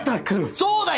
そうだよ！